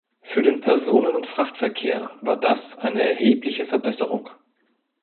Für den Personen- und Frachtverkehr war das eine erhebliche Verbesserung.